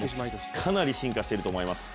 かなり進化していると思います。